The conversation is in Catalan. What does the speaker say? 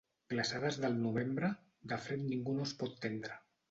Glaçades del novembre, de fred ningú no es pot tendre.